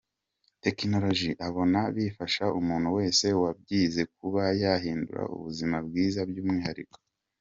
tekinoloji abona bifasha umuntu wese wabyize kuba yahindura ubuzima bwiza byumwihariko.